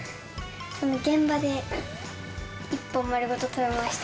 現場で１本丸ごと食べました。